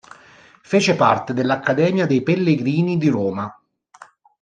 Fece parte dell'Accademia dei Pellegrini di Roma.